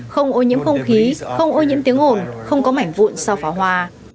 không ô nhiễm không khí không ô nhiễm tiếng ồn không có mảnh vụn sau pháo hoa